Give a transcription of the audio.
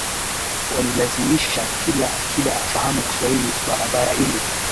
walilazimisha kila Akida afahamu Kiswahili barabara ili